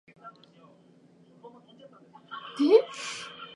ナバーラ県の県都はパンプローナである